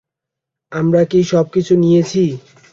আমরা কি সবকিছু নিয়েছি?